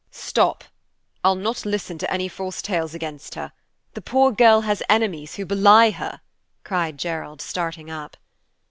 "Stop! I'll not listen to any false tales against her. The poor girl has enemies who belie her!" cried Gerald, starting up.